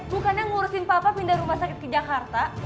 bukannya ngurusin papa pindah rumah sakit ke jakarta